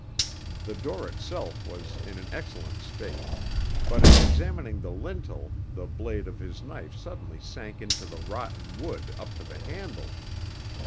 The door itself was in an excellent state; but in examining the lintel, the blade of his knife suddenly sank into the rotten wood up to the handle.